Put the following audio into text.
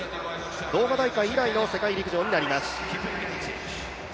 ドーハ大会以来の世界大会になります。